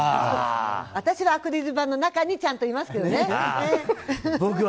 私はアクリル板の中にちゃんといますけどね。